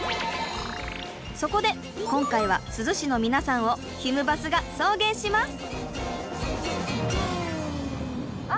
そこで今回は珠洲市のみなさんをひむバスが送迎します。